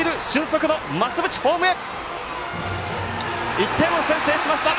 １点を先制しました！